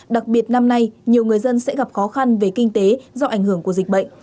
đặc biệt năm nay nhiều người dân sẽ gặp khó khăn về kinh tế do ảnh hưởng của dịch bệnh